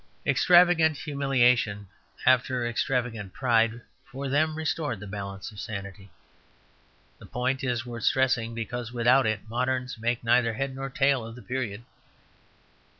Extravagant humiliation after extravagant pride for them restored the balance of sanity. The point is worth stressing, because without it moderns make neither head nor tail of the period.